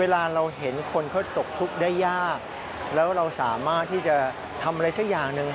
แล้วเราสามารถที่จะทำอะไรเช่นอย่างหนึ่ง